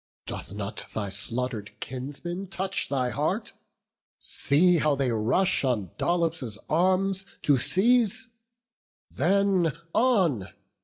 Doth not thy slaughter'd kinsmen touch thy heart? See how they rush on Dolops' arms to seize; Then on!